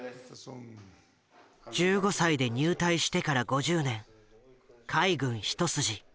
１５歳で入隊してから５０年海軍一筋。